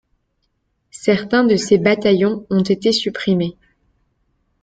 Certains de ces Bataillons ont été supprimés.